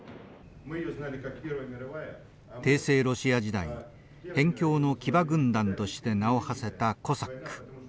帝政ロシア時代辺境の騎馬軍団として名をはせたコサック。